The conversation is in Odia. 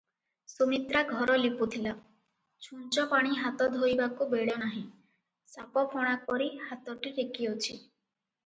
ସୁମିତ୍ରାଘର ଲିପୁଥିଲା, ଛୂଞ୍ଚ ପାଣି ହାତ ଧୋଇବାକୁ ବେଳନାହିଁ, ସାପ ଫଣା ପରି ହାତଟି ଟେକିଅଛି ।